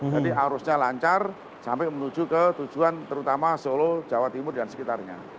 jadi arusnya lancar sampai menuju ke tujuan terutama solo jawa timur dan sekitarnya